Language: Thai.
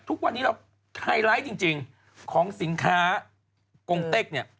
ทุกวันนี้เราไฮไลท์จริงของสินค้ากงเต็กเนี่ย